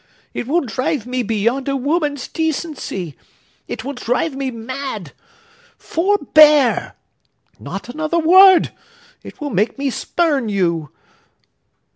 It will drive me beyond a woman's decency! It will drive me mad! Forbear! Not another word! It will make me spurn you!"